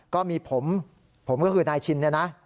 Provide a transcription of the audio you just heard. ก็มีผมผมก็คือนายชินนะ